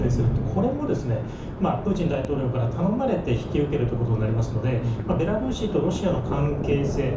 これもプーチン大統領から頼まれて引き受けることになりますのでベラルーシとロシアとの関係性